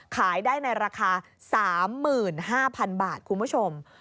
ขายได้ในราคา๓๕๐๐๐บาทคุณผู้ชม